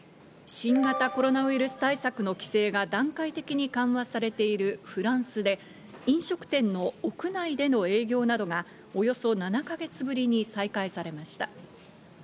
新型コロナウイルス対策の規制が段階的に緩和されているフランスで、飲食店の屋内での営業などがおよそ７か月ぶりに再開されました。